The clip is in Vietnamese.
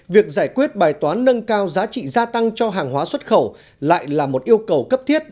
việc giải quyết bài toán nâng cao giá trị gia tăng cho hàng hóa xuất khẩu lại là một yêu cầu cấp thiết